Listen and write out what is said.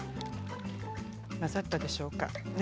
混ざったでしょうか。